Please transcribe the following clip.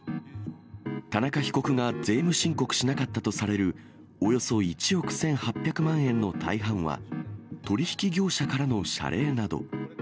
田中被告が税務申告しなかったとされるおよそ１億１８００万円の大半は、取り引き業者からの謝礼など。